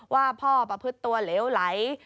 ว่าพ่อประพฤติตัวเหลวไหล